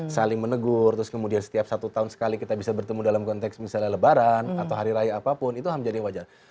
saling menegur terus kemudian setiap satu tahun sekali kita bisa bertemu dalam konteks misalnya lebaran atau hari raya apapun itu menjadi wajar